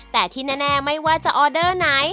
แต่ที่แน่ไม่ว่าจะออเดอร์ไหน